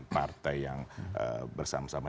partai yang bersama sama